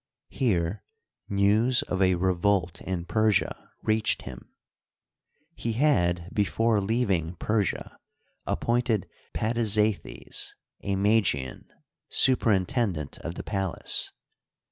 Here news of a revolt in Persia reached him. He had before leaving Persia appointed Patizeithes, a Magian, superintendent of the palace.